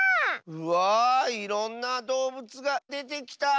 うわいろんなどうぶつがでてきた！